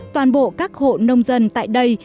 toàn bộ các hộ nông dân tại đây